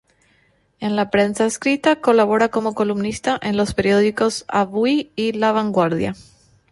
En la prensa escrita, colabora como columnista en los periódicos "Avui" y "La Vanguardia".